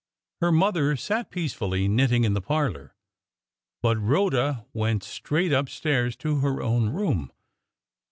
Her mother sat peacefully knitting in the parlour, but Rhoda went straight upstairs to her own room.